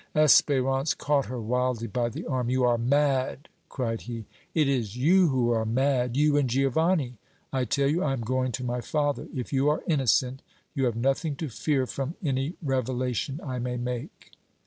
Espérance caught her wildly by the arm. "You are mad!" cried he. "It is you who are mad you and Giovanni! I tell you, I am going to my father; if you are innocent, you have nothing to fear from any revelation I may make!"